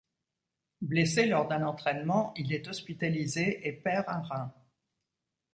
Blessé lors d'un entrainement, il est hospitalisé et perd un rein.